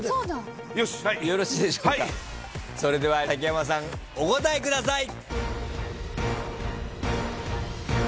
それでは竹山さんお答えください。